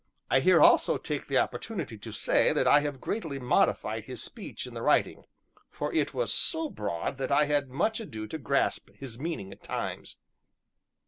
I here also take the opportunity to say that I have greatly modified his speech in the writing, for it was so broad that I had much ado to grasp his meaning at times.